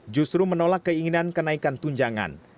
justru menolak keinginan kenaikan tunjangan